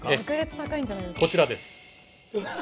こちらです。